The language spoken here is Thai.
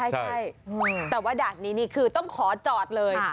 ใช่แต่ว่าด่านนี้นี่คือต้องขอจอดเลย